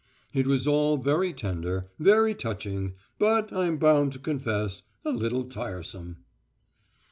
It was all very tender, very touching, but, I'm bound to confess, a little tiresome.